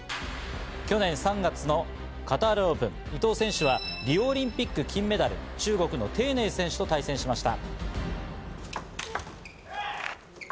去年３月のカタールオープン、伊藤選手はリオオリンピック金メダル、中国のテイ・ネイ選手と対戦しました。